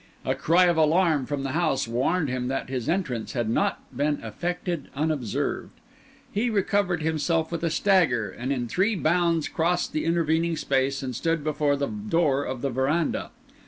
A cry of alarm from the house warned him that his entrance had not been effected unobserved. He recovered himself with a stagger, and in three bounds crossed the intervening space and stood before the door in the verandah.